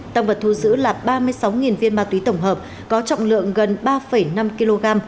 tăng vật thu giữ là ba mươi sáu viên ma túy tổng hợp có trọng lượng gần ba năm kg